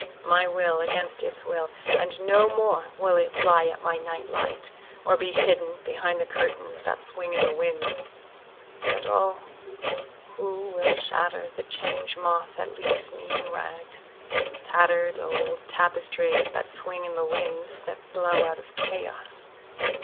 My will against its will, and no more will it fly at my night light or be hidden behind the curtains that swing in the winds.(But O who will shatter the Change Moth that leaves me in rags—tattered old tapestries that swing in the winds that blow out of Chaos!)